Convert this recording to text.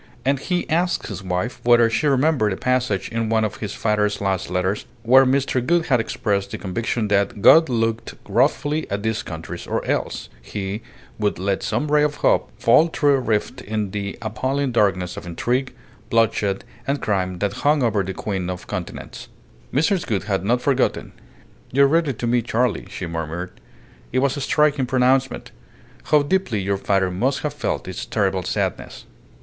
And he asked his wife whether she remembered a passage in one of his father's last letters where Mr. Gould had expressed the conviction that "God looked wrathfully at these countries, or else He would let some ray of hope fall through a rift in the appalling darkness of intrigue, bloodshed, and crime that hung over the Queen of Continents." Mrs. Gould had not forgotten. "You read it to me, Charley," she murmured. "It was a striking pronouncement. How deeply your father must have felt its terrible sadness!"